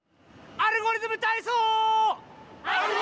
「アルゴリズムたいそう」！